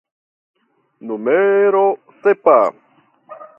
Numero sepa.